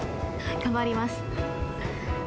頑張ります。